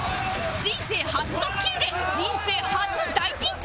人生初ドッキリで人生初大ピンチ！